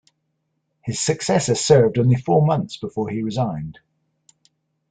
His successor served only four months before he resigned.